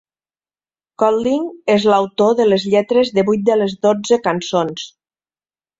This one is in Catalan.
Codling és l'autor de les lletres de vuit de les dotze cançons.